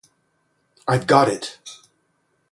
I’ve got it!